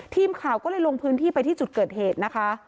ทีมข่าวก็เลยลงพื้นที่ไปที่จุดเกิดเหตุนะคะ